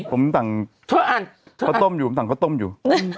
ผมจั่งเกาะต้มอยู่